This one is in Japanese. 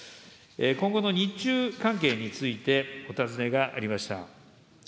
今後の日中関係についてお尋ねがありました。